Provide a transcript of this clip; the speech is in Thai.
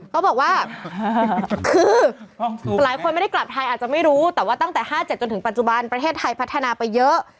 เขาบอกว่าคือหลายคนไม่ได้กลับไทยอาจจะไม่รู้แต่ว่าตั้งแต่๕๗จนถึงปัจจุบันประเทศไทยพัฒนาไปเยอะ